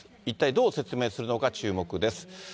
一体どう説明するのか、注目です。